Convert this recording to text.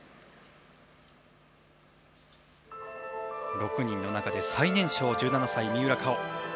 ６人の中で最年少１７歳三浦佳生。